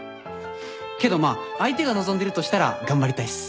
けどまあ相手が望んでるとしたら頑張りたいっす。